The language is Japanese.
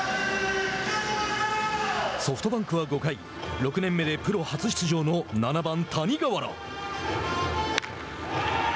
ソフトバンクは５回６年目でプロ初出場の７番谷川原。